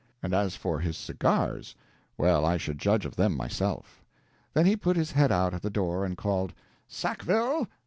And as for his cigars well, I should judge of them myself. Then he put his head out at the door and called: "Sackville!"